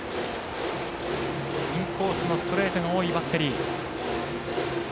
インコースのストレートが多いバッテリー。